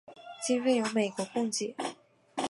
经费由美国供给。